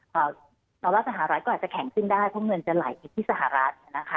เพราะว่าสหรัฐก็อาจจะแข็งขึ้นได้เพราะเงินจะไหลไปที่สหรัฐนะคะ